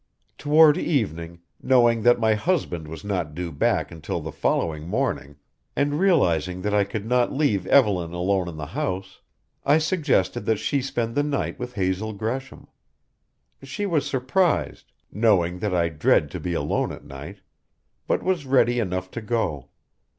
"Toward evening knowing that my husband was not due back until the following morning, and realizing that I could not leave Evelyn alone in the house I suggested that she spend the night with Hazel Gresham. She was surprised knowing that I dread to be alone at night but was ready enough to go.